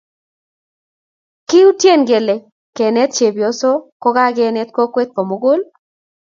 Kiutye kele kenet chepyoso kokakinet kokwet komugul